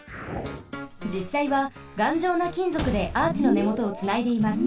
じっさいはがんじょうなきんぞくでアーチのねもとをつないでいます。